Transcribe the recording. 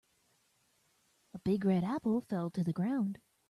The big red apple fell to the ground.